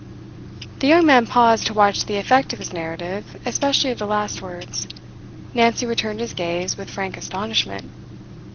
The young man paused to watch the effect of his narrative, especially of the last words. Nancy returned his gaze with frank astonishment.